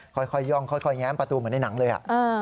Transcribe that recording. ค่อยย่องค่อยแง้มประตูเหมือนในหนังเลย